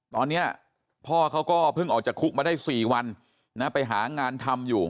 ตอนนี้พ่อเขาก็เพิ่งออกจากคุกมาได้๔วันไปหางานทำอยู่